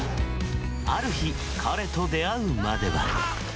ある日、彼と出会うまでは。